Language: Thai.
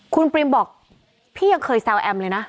คุณปริมบอกพี่ยังเคยแซวแอมเลยนะ